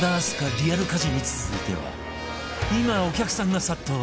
リアル家事に続いては今お客さんが殺到！